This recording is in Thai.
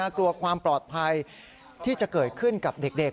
กลัวความปลอดภัยที่จะเกิดขึ้นกับเด็ก